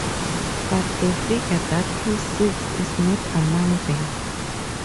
But the figure that he seeks is not among them.